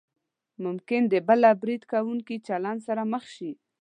ممکن د بل له برید کوونکي چلند سره مخ شئ.